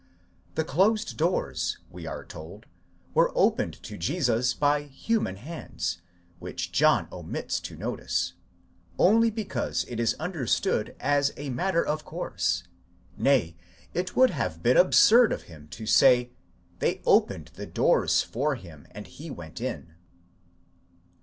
The closed doors, we are told, were opened to Jesus by human hands ; which John omits to notice, only because it is understood as a matter of course, nay, it would have been absurd of him to say: they opened the doors for him, and he went in."